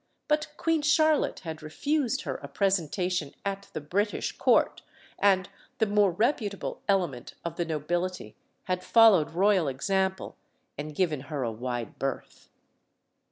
But Queen Charlotte had refused her a presentation at the British court, and the more reput able element of the nobility had followed royal example and given her a wide berth.